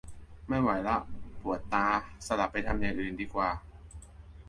ไม่ไหวละ ปวดตา สลับไปทำอย่างอื่นดีกว่า